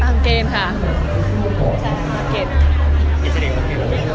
ต่างเกณฑ์ค่ะ